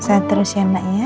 saya terus ya nak ya